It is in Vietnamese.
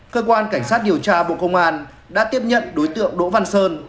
cơ quan cảnh sát điều tra bộ công an đã tiếp nhận đối tượng đỗ văn sơn